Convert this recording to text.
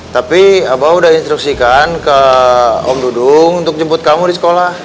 tapi abah udah instruksikan ke om dudung untuk jemput kamu di sekolah